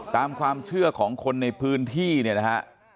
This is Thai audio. ตามความเชื่อของคนในพื้นที่เนี่ยนะฮะ